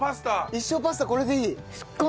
一生パスタこれでいい？